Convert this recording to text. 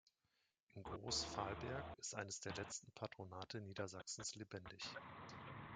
In Groß Vahlberg ist eines der letzten Patronate Niedersachsens lebendig.